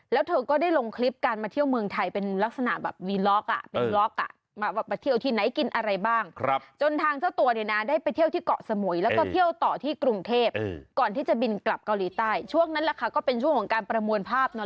แล้วเธอก็ได้ลงคลิปการมาเที่ยวเมืองไทยเป็นลักษณะแบบวีล็อกอะเป็นวีล็อกอะมาแบบมาเที่ยวที่ไหนกินอะไรบ้าง